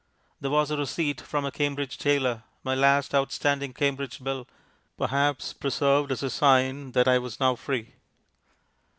There was a receipt from a Cambridge tailor, my last outstanding Cambridge bill, perhaps preserved as a sign that I was now free.